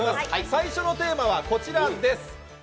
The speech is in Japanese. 最初のテーマはこちらです。